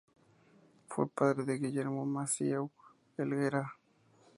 Fue padre de Guillermo Massieu Helguera.